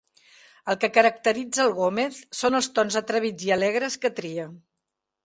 El que caracteritza el Gómez són els tons atrevits i alegres que tria.